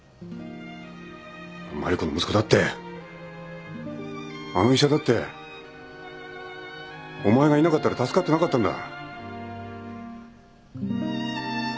茉莉子の息子だってあの医者だってお前がいなかったら助かってなかったんだ。